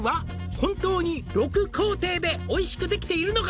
「本当に６工程でおいしくできているのか」